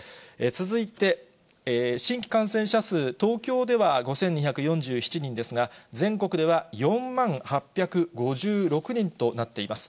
続いて、新規感染者数、東京では５２４７人ですが、全国では４万８５６人となっています。